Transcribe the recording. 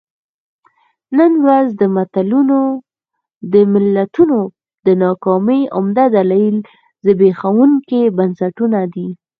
نن ورځ د ملتونو د ناکامۍ عمده دلیل زبېښونکي بنسټونه دي.